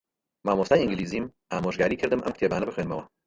مامۆستای ئینگلیزیم ئامۆژگاریی کردم ئەم کتێبانە بخوێنمەوە.